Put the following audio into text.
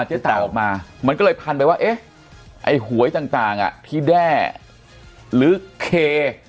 เจ๊แตกออกมามันก็เลยพันไปว่าเอ๊ะไอ้หวยต่างอ่ะที่แด้หรือเค